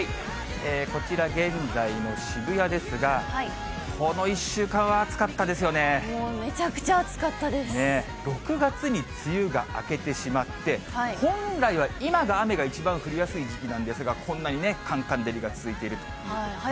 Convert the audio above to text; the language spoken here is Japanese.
こちら、現在の渋谷ですが、もうめちゃくちゃ暑かったで６月に梅雨が明けてしまって、本来は、今が雨が一番降りやすい時期なんですが、こんなにね、カンカン照りが続いているということで。